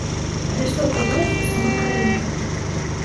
Але што адбываецца ў самой краіне?